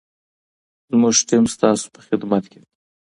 زموږ ټیم ستاسو په خدمت کي دی.